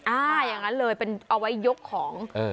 อย่างนั้นเลยเป็นเอาไว้ยกของ